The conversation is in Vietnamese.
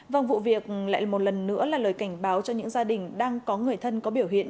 vâng vụ việc lại một lần nữa là lời cảnh báo cho những gia đình đang có người thân có biểu hiện